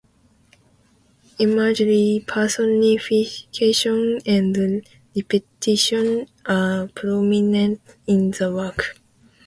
Imagery, personification, and repetition are prominent in the work.